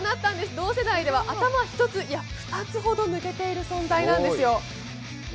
同世代では頭１つ、いや２つほど抜けている存在なんですよ。